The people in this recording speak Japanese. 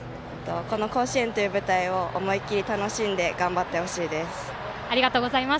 この甲子園という舞台を思い切り楽しんでありがとうございます。